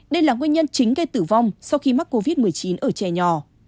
đây là nguyên nhân chính gây tử vong sau khi mắc covid một mươi chín ở trẻ nhỏ